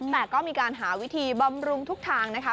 แต่ก็มีการหาวิธีบำรุงทุกทางนะคะ